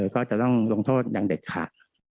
ก็จะต้องลงโทษอย่างเด็ดขาด